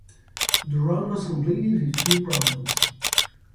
The run was completed with few problems.